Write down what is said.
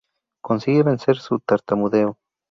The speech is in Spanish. Consigue vencer su tartamudeo.